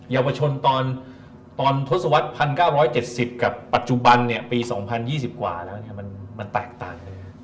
เยาวชนตอนทศวรรษ๑๙๗๐กับปัจจุบันปี๒๐๒๐กว่าแล้วมันแตกต่างกัน